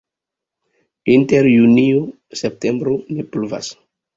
Inter junio-septembro ne pluvas.